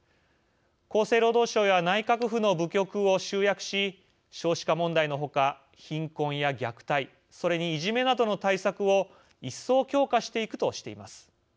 厚生労働省や内閣府の部局を集約し少子化問題のほか、貧困や虐待それに、いじめなどの対策を一層強化していくとしています。